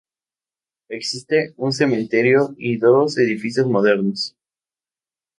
Existen un cementerio y dos edificios modernos.